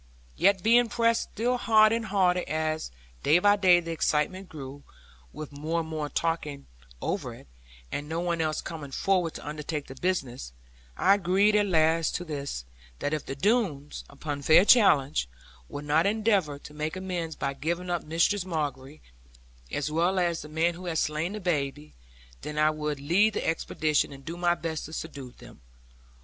Yet being pressed still harder and harder, as day by day the excitement grew (with more and more talking over it), and no one else coming forward to undertake the business, I agreed at last to this; that if the Doones, upon fair challenge, would not endeavour to make amends by giving up Mistress Margery, as well as the man who had slain the babe, then I would lead the expedition, and do my best to subdue them.